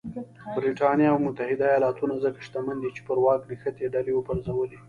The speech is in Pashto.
برېټانیا او متحده ایالتونه ځکه شتمن دي چې پر واک نښتې ډلې وپرځولې.